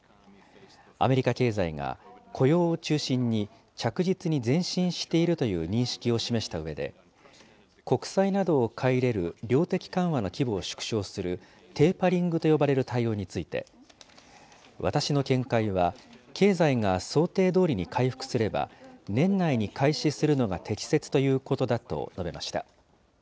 アメリカ経済が雇用を中心に着実に前進しているという認識を示したうえで、国債などを買い入れる量的緩和の規模を縮小するテーパリングと呼ばれる対応について、私の見解は経済が想定どおりに回復すれば、年内に開始するのが適切ということだと述べました。